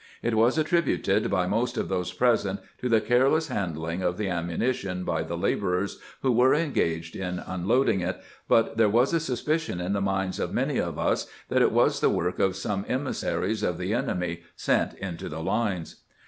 It was attributed by most of those present to the careless handling of the ammunition by the laborers who were engaged in unloading it ; but there was a suspicion in the minds of many of us that it was the work of some emissaries of the enemy sent into the lines.